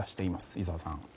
井澤さん。